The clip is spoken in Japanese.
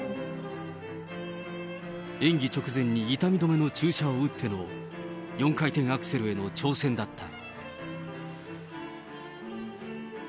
演技直前に痛み止めの注射を打っての４回転アクセルへの挑戦だった。